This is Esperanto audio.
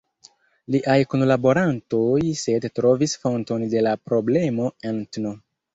Liaj kunlaborantoj sed trovis fonton de la problemo en tn.